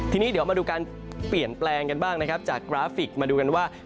ทีนี้เดี๋ยวมาดูการเปลี่ยนแปลงกันบ้างนะครับจากกราฟิกมาดูกันว่า